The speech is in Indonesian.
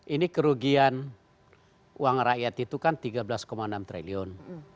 ini kerugian uang rakyat itu kan tiga belas enam triliun